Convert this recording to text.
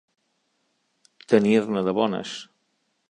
Tenir-ne de bones.